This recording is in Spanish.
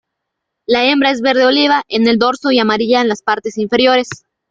La hembra es verde oliva en el dorso y amarilla en las partes inferiores.